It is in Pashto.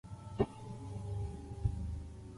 ماهر رنګمالان د رنګونو لپاره د خوښې وړ سطحې تیاروي.